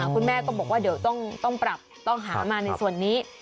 คุณแม่ก็บอกว่าเดี๋ยวต้องปรับต้องหามาในส่วนนี้